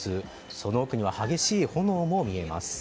その奥には激しい炎も見えます。